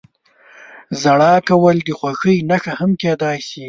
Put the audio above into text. • ژړا کول د خوښۍ نښه هم کېدای شي.